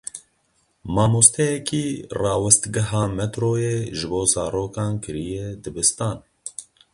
Mamosteyekî rawestgeha metroyê ji bo zarokan kiriye dibistan.